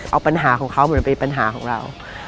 เอาปัญหาของเขาเหมือนเป็นปัญหาของเรา